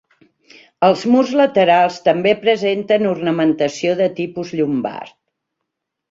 Els murs laterals també presenten ornamentació de tipus llombard.